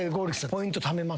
ポイントためます？